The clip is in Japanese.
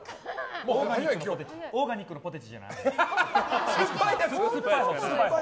オーガニックのポテチじゃない？